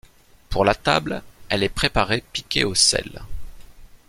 Pour la table, elle est préparée piquée au sel.